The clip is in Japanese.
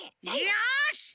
よし！